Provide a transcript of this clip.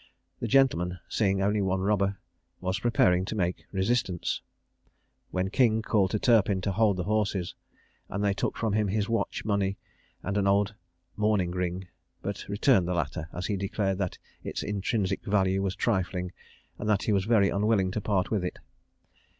The gentleman, seeing only one robber, was preparing to make resistance, [Illustration: Turpin and King. What! Dog eat Dog!] when King called to Turpin to hold the horses, and they took from him his watch, money, and an old mourning ring; but returned the latter, as he declared that its intrinsic value was trifling, and that he was very unwilling to part with it.